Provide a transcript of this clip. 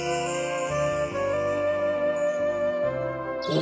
お！